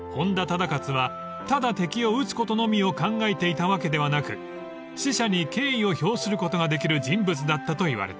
忠勝はただ敵を討つことのみを考えていたわけではなく死者に敬意を表することができる人物だったといわれています］